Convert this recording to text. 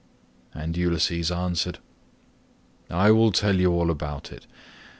And Ulysses answered, "I will tell you all about it.